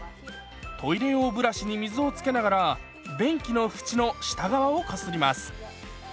トイレ用ブラシに水をつけながら便器の縁の下側をこすります。